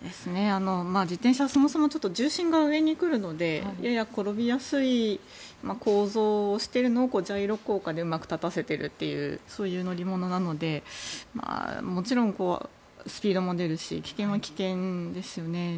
自転車そもそも重心が上に来るのでやや転びやすい構造をしているのをジャイロ効果でうまく立たせているというそういう乗り物なのでもちろん、スピードも出るし危険は危険ですよね。